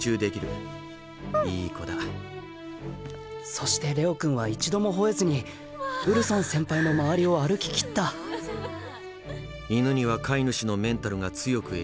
そしてレオくんは一度も吠えずにウルソン先輩の周りを歩ききった犬には飼い主のメンタルが強く影響する。